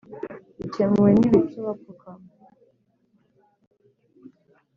bikemuwe n'ibicu, bapfukama